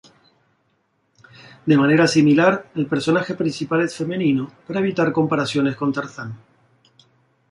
De manera similar, el personaje principal es femenino para evitar comparaciones con Tarzán.